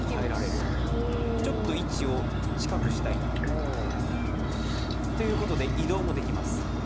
ちょっと位置を近くしたいなということで移動もできます。